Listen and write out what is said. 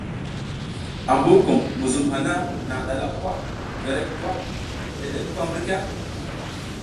Ambukum, muzum hana nang ɗalak kwa, korek kwa dedek kwa mbirka ?